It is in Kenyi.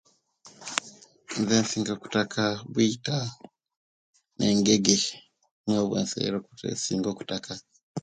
Nze insinga kutaka bwita na ngege nibwo bwe singa okutaka